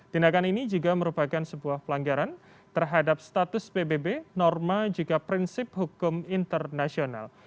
tindakan ini juga merupakan sebuah pelanggaran terhadap status pbb norma jika prinsip hukum internasional